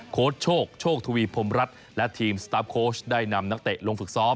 โค้ชโชคโชคทวีพรมรัฐและทีมสตาร์ฟโค้ชได้นำนักเตะลงฝึกซ้อม